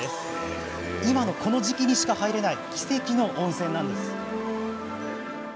今の、この時期にしか入れない奇跡の温泉なんです。